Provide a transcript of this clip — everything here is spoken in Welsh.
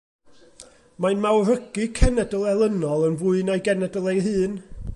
Mae'n mawrygu cenedl elynol yn fwy na'i genedl ei hun.